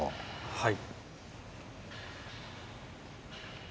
はい。